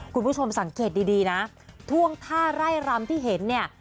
คุณผู้ชมสังเกตดีนะท่วงท่าไร่รำที่เห็นเนี่ย